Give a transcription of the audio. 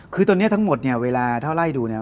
คือตอนนี้ทั้งหมดเวลาถ้าไล่ดู